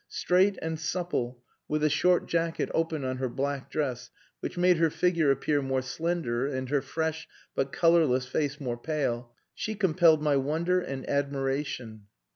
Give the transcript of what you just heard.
Straight and supple, with a short jacket open on her black dress, which made her figure appear more slender and her fresh but colourless face more pale, she compelled my wonder and admiration.